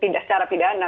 tidak secara pidana